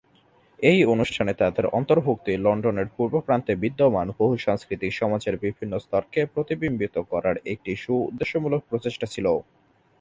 এই অনুষ্ঠানে তাদের অন্তর্ভুক্তি লন্ডনের পূর্ব প্রান্তে বিদ্যমান বহু-সাংস্কৃতিক সমাজের বিভিন্ন-স্তরকে প্রতিবিম্বিত করার একটি সু-উদ্দেশ্যমূলক প্রচেষ্টা ছিল।